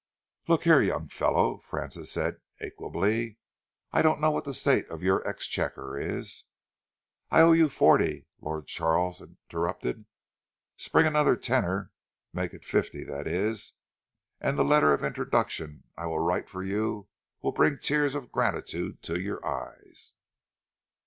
"Look here, young fellow," Francis said equably, "I don't know what the state of your exchequer is " "I owe you forty," Lord Charles interrupted. "Spring another tenner, make it fifty, that is, and the letter of introduction I will write for you will bring tears of gratitude to your eyes."